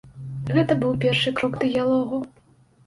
Гэта быў першы крок дыялогу.